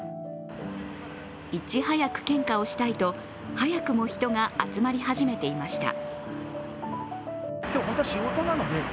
いち早く献花をしたいと早くも人が集まり始めていました。